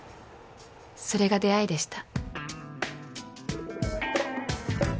それが出会いでした。